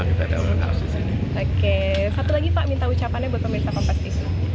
oke satu lagi pak minta ucapannya buat pemirsa kompetisi